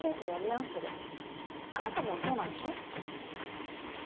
あなたもそうなんでしょ？